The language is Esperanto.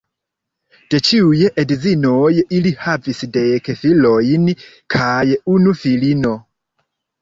De ĉiuj edzinoj ili havis dek filojn kaj unu filino.